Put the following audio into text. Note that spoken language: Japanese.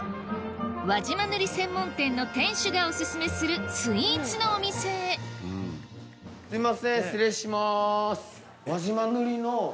輪島塗専門店の店主がオススメするスイーツのお店へすいません失礼します。